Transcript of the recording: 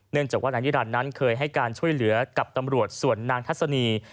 เนื่องจากว่านานที่ด่านนั้นเคยให้การช่วยเหลือกับตำรวจส่วนนางทัศนี